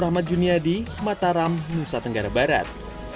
hanya di mataram nusa tenggara barat